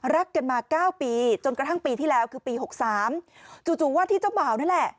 รักกันมา๙ปีจนกระทั่งปีที่แล้วคือปี๖๓จู่ว่าที่เจ้าบ่าวนั่นแหละ